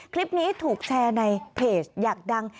คลิปนี้ถูกแชร์ในเพจอยากดัง